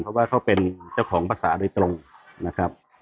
เพราะว่าเขาเป็นเจ้าของภาษาโดยตรงนะครับ